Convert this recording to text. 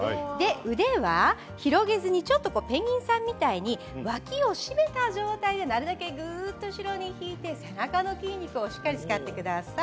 腕は広げずにちょっとペンギンさんみたいに脇を閉めた状態でなるべく後ろにぐっと引いて背中の筋肉をしっかり使ってください。